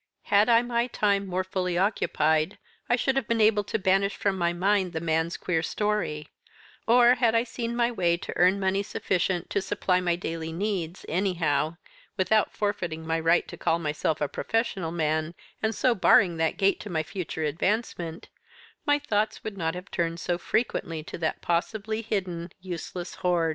Had I had my time more fully occupied I should have been able to banish from my mind the man's queer story; or had I seen my way to earn money sufficient to supply my daily needs, anyhow, without forfeiting my right to call myself a professional man, and so barring that gate to my future advancement; my thoughts would not have turned so frequently to that possibly hidden, useless hoard.